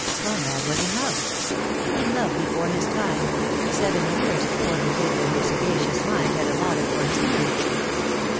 Conrad was in love; in love before his time, seven years before the date that hfer sagacious mind had allotted for his marriage.